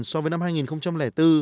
so với năm hai nghìn bốn